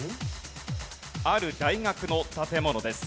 ある大学の建物です。